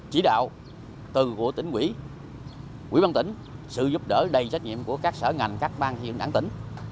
chỉ đạo từ của tỉnh quỹ quỹ băng tỉnh sự giúp đỡ đầy trách nhiệm của các sở ngành các bang hiện đảng tỉnh